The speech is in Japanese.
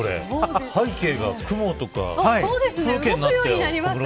背景が雲とか風景になったよ。